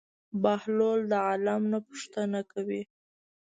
بهلول د عالم نه پوښتنه کوي.